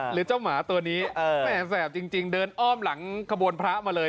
หรือเจ้าหมาตัวนี้แม่แสบจริงเดินอ้อมหลังขบวนพระมาเลย